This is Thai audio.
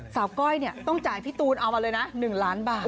ก้อยต้องจ่ายพี่ตูนเอามาเลยนะ๑ล้านบาท